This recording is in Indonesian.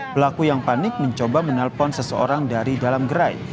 pelaku yang panik mencoba menelpon seseorang dari dalam gerai